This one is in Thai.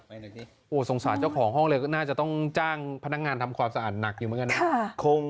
โอ้โหสงสารเจ้าของห้องเลยก็น่าจะต้องจ้างพนักงานทำความสะอาดหนักอยู่เหมือนกันนะ